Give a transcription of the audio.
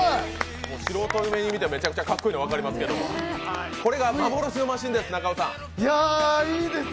素人目に見てめちゃくちゃかっこいいのが分かりますけどこれが幻のマシンです。